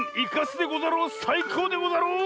さいこうでござろう！